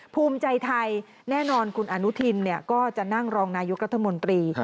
ภูมิใจไทยแน่นอนคุณอนุทินก็จะนั่งรองนายกรัฐมนตรี